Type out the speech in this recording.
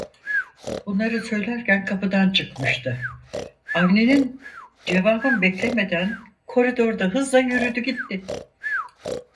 Bunları söylerken kapıdan çıkmıştı, Avni'nin cevabım beklemeden koridorda hızla yürüdü gitti.